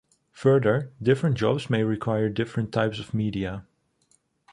Further, different jobs may require different types of media.